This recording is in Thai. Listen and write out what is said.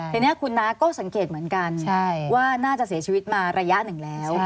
ทีนี้คุณน้าก็สังเกตเหมือนกันว่าน่าจะเสียชีวิตมาระยะหนึ่งแล้ว